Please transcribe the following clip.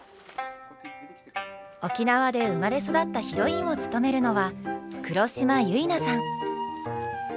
沖縄で生まれ育ったヒロインを務めるのは黒島結菜さん。